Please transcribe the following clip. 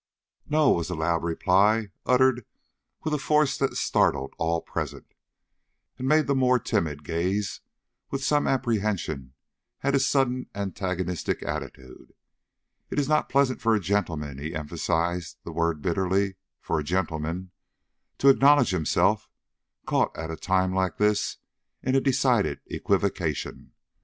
"No!" was the loud reply, uttered with a force that startled all present, and made the more timid gaze with some apprehension at his suddenly antagonistic attitude. "It is not pleasant for a gentleman" he emphasized the word bitterly "for a gentleman to acknowledge himself caught at a time like this in a decided equivocation.